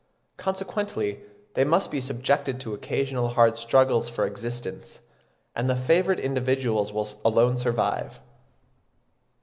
Consequently they must be subjected to occasional hard struggles for existence, and the favoured individuals will alone survive.